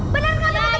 bener kan teman teman